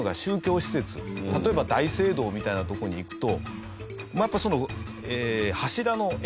例えば大聖堂みたいな所に行くとまあやっぱその。